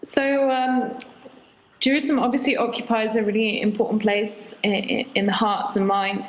jadi jerusalem jelas mengikuti tempat yang sangat penting di hati dan pikiran